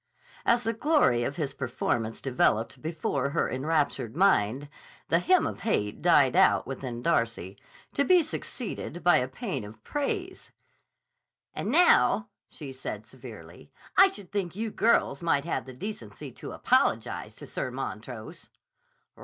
As the glory of his performance developed before her enraptured mind, the Hymn of Hate died out within Darcy, to be succeeded by a Pæan of Praise. "And now," said she severely, "I should think you girls might have the decency to apologize to Sir Montrose."